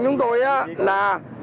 chúng tôi là